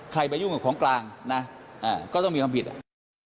ไปยุ่งกับของกลางนะก็ต้องมีความผิดอ่ะ